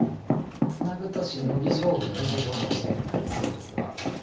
ツナぐとシノギ勝負のような形になりそうですが。